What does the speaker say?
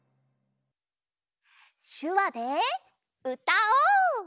しゅわでうたおう！